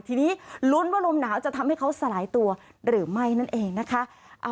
ทีนี้ลุ้นว่าลมหนาวจะทำให้เขาสลายตัวหรือไม่นั่นเองนะคะ